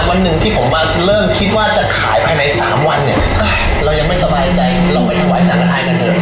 วันหนึ่งที่ผมเริ่มคิดว่าจะขายไปไหนสามวันเนี่ยอ่าเรายังไม่สบายใจลองมีไขว้สันตรายกันเดิม